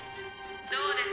どうです？